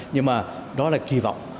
nhưng mà đó là kỳ vọng